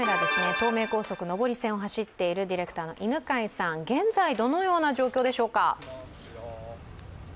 東名高速上り線を走っているディレクターの犬飼さん、現在、どのような状況でしょうか？